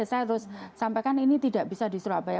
saya harus sampaikan ini tidak bisa di surabaya